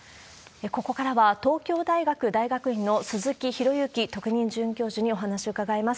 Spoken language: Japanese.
ここからは、東京大学大学院の鈴木啓之特任准教授にお話伺います。